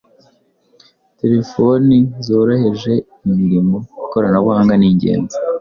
Terefoni zoroheje imirimo. Ikoranabuhanga ni ingenzi